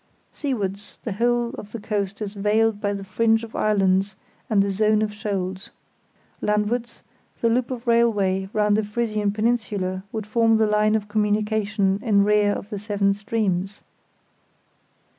Seawards, the whole of the coast is veiled by the fringe of islands and the zone of shoals. Landwards, the loop of railway round the Frisian peninsula would form the line of communication in rear of the seven streams.